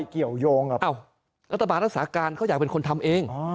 เอ่อรัฐบาลอัตสาหการเขาอยากเป็นคนทำเอง